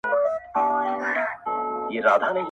که سړی ورخ د اوښکو وتړي هم.